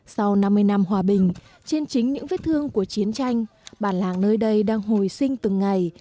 sau năm mươi năm hòa bình trên chính những vết thương của chiến tranh bản làng nơi đây đang hồi sinh từng ngày